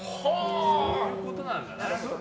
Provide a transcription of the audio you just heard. そういうことなんだな。